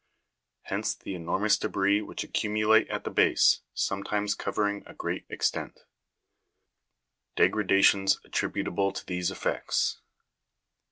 Hence the enormous debris which accumulate at the base, sometimes covering a great extent 2. Degradations attributable to these effects.